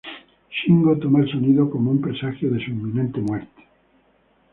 Shingo toma el sonido como un presagio de su inminente muerte.